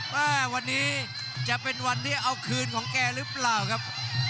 ว่าวันนี้จะเป็นวันที่เอาคืนของแกหรือเปล่าครับ